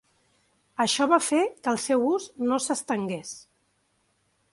Això va fer que el seu ús no s'estengués.